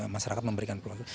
masyarakat memberikan peluang